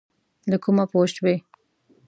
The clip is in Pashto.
له کومه پوه شوې؟